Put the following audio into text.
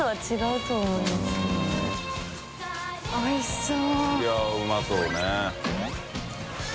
おいしそう！